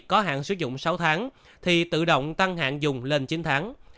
có hạn sử dụng sáu tháng thì tự động tăng hạng dùng lên chín tháng